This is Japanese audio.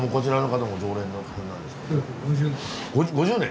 ・５０年。